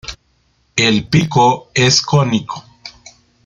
El pico es cónico.